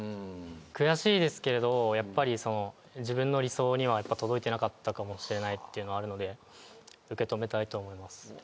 悔しいですけどやっぱり自分の理想には届いてなかったかもしれないっていうのはあるので受け止めたいと思います。